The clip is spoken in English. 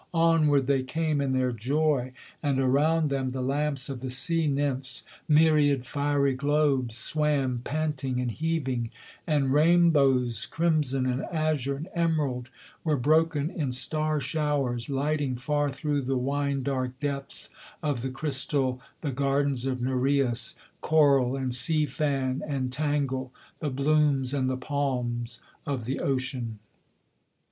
Onward they came in their joy, and around them the lamps of the sea nymphs, Myriad fiery globes, swam panting and heaving; and rainbows Crimson and azure and emerald, were broken in star showers, lighting Far through the wine dark depths of the crystal, the gardens of Nereus, Coral and sea fan and tangle, the blooms and the palms of the ocean.